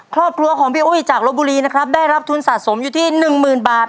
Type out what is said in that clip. ครอบครัวของพี่อุ้ยจากลบบุรีนะครับได้รับทุนสะสมอยู่ที่หนึ่งหมื่นบาท